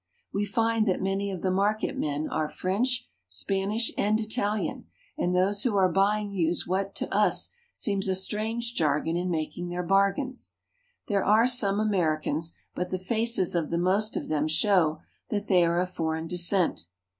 We find that many of the marketmen are French, Spanish, and Italian, and those who are buying use what to us seems a strange jargon in making their bargains. There are some Americans, but the faces of the most of them show that they are of foreign descent.